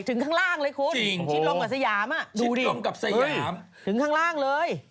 ถึงข้างล่างเลยคุณชิดล่มกับสยามอ่ะดูสิถึงข้างล่างเลย